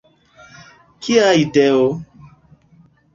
Kia ideo!